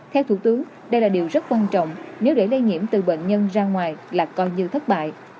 theo thủ tướng đây là điều rất quan trọng nếu để lây nhiễm từ bệnh nhân ra ngoài là coi như thất bại